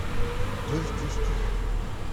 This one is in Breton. deus diouzhtu.